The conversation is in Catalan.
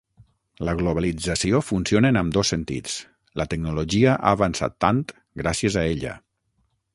La globalització funciona en ambdós sentits. La tecnologia ha avançat tant gràcies a ella.